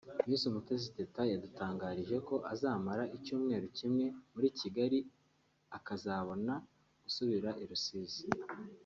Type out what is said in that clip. Miss Umutesi Teta yadutangarije ko azamara icyumweru kimwe muri Kigali akazabona gusubira i Rusizi